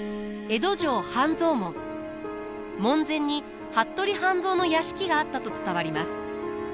門前に服部半蔵の屋敷があったと伝わります。